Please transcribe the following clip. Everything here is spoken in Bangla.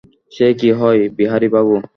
সে কি হয়, বিহারীবাবু।